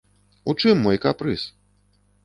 У чым мой капрыз?